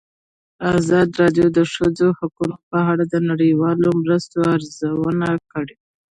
ازادي راډیو د د ښځو حقونه په اړه د نړیوالو مرستو ارزونه کړې.